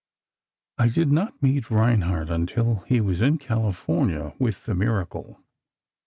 "I did not meet Reinhardt until he was in California, with 'The Miracle.